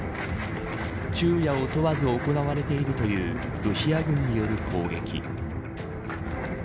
昼夜を問わず行われているというロシア軍による攻撃。